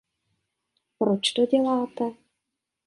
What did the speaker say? Proč to děláte?